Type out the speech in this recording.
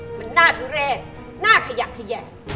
เหมือนหน้าทุเรศหน้าขยะขยะ